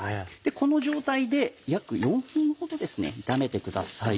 この状態で約４分ほど炒めてください。